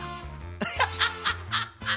アハハハハハハ。